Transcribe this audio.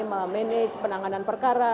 memanage penanganan perkara